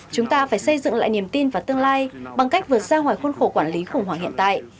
chúng ta phải xây dựng lại niềm tin và tương lai bằng cách vượt ra ngoài khuôn khổ quản lý khủng hoảng hiện tại